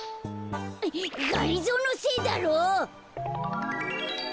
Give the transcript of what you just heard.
がりぞーのせいだろ！